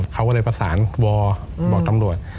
เขาก็เลยประสานวอบอกตำรวจ